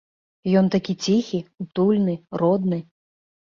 Ён такі ціхі, утульны, родны.